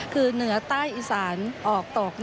คือเหนือใต้อีสานออกตก